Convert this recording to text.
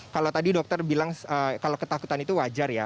kalau tadi dokter bilang kalau ketakutan itu wajar ya